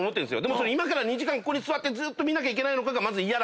でも今から２時間ここに座ってずーっと見なきゃいけないのかがまず嫌だから。